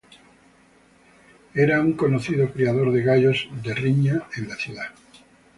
Era un conocido criador de gallos de riña en la ciudad.